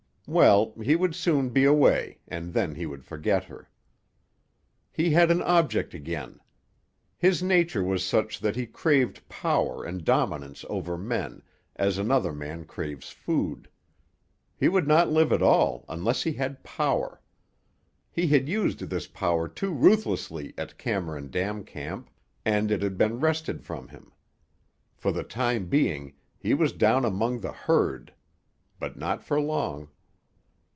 Well, he would soon be away, and then he would forget her. He had an object again. His nature was such that he craved power and dominance over men, as another man craves food. He would not live at all unless he had power. He had used this power too ruthlessly at Cameron Dam Camp, and it had been wrested from him. For the time being he was down among the herd. But not for long.